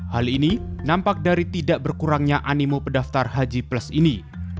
hal ini nampak dari tidak berkurangnya animo pendaftar haji plus ini